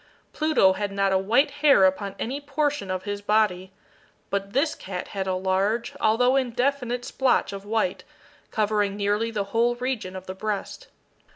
Pluto had not a white hair upon any portion of his body; but this cat had a large, although indefinite splotch of white, covering nearly the whole region of the breast.